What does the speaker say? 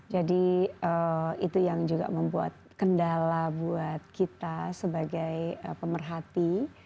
jadi itu yang juga membuat kendala buat kita sebagai pemerhati